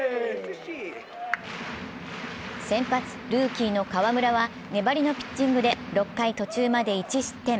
先発、ルーキーの河村は粘りのピッチングで６回途中まで１失点。